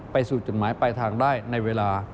สู่จุดหมายปลายทางได้ในเวลา